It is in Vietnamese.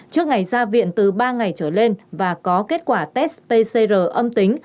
trước ngày ra viện từ ba ngày trở lên và có kết quả test pcr âm tính